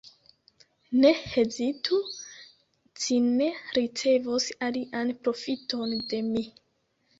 Ne hezitu, ci ne ricevos alian profiton de mi!